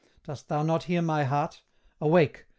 Dost thou not hear my heart? Awake!